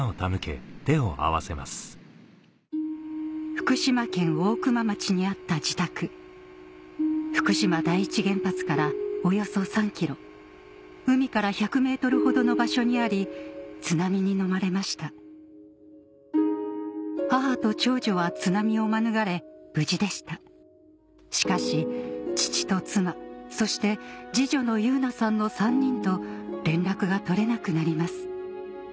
福島県大熊町にあった自宅福島第一原発からおよそ３ｋｍ海から１００ｍほどの場所にあり津波にのまれました母と長女は津波を免れ無事でしたしかし父と妻そして次女の汐凪さんの３人と連絡が取れなくなります